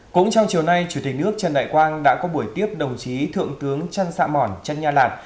cũng trong chiều nay chủ tịch nước trần đại quang đã có buổi tiếp đồng chí thượng tướng trân sạ mòn tranh nha lạt